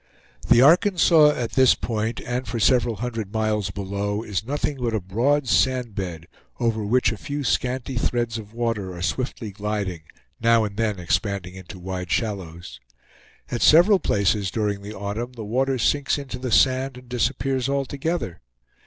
The Arkansas at this point, and for several hundred miles below, is nothing but a broad sand bed, over which a few scanty threads of water are swiftly gliding, now and then expanding into wide shallows. At several places, during the autumn, the water sinks into the sand and disappears altogether.